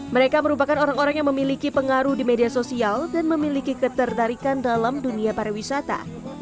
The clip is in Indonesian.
mereka merupakan orang orang yang memiliki pengaruh di media sosial dan memiliki ketertarikan dalam dunia pariwisata